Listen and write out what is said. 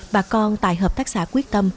bà con tại hợp tác xã quyết tâm